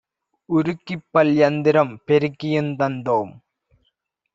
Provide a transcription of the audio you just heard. உருக்கிப்பல் யந்திரம் பெருக்கியுந் தந்தோம்.